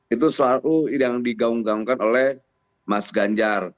itu selalu yang digaung gaungkan oleh mas ganjar